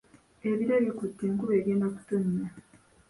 Ebire bikute enkuba egenda kutonnya.